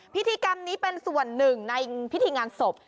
พิธีกรรมนี้เป็นส่วนหนึ่งในพิธีงานศพ